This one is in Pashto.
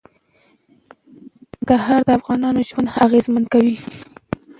کندهار د افغانانو ژوند اغېزمن کوي.